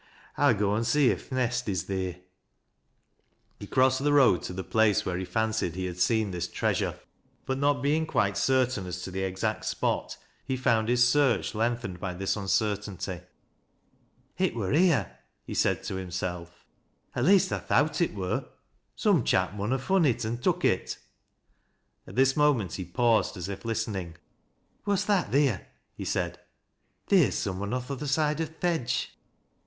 I'll go an' see if th' nest is theer." lie crossed the road to the place where he fancied ho had seen this treasure ; but not being quite certain as to the exact spot, he foi;nd his search lengthened by t\xii .incertainty. " It wur here," he said to himself ;" at least I thowl il wur. Some chap mun ha' fun it an' tuk it." At this moment he paused, as if listening. " What's that theer ?" he said. " Theer's some one oj> th' other side o' th' hedge."